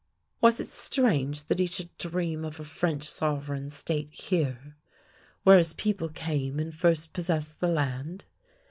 " Was it strange that he should dream of a French sovereign state here, where his people came and first possessed the land?